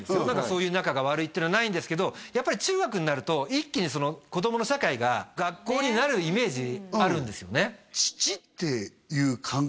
何かそういう仲が悪いってのはないんですけどやっぱり中学になると一気にその子どもの社会が学校になるイメージあるんですよね